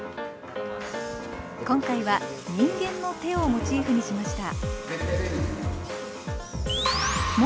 今回は「人間の手」をモチーフにしました。